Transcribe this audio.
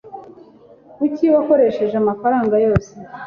Kuki wakoresheje amafaranga yose?